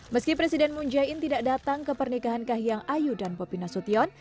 meski presiden moon jae in tidak datang ke pernikahan kahiyang ayu dan bobi nasution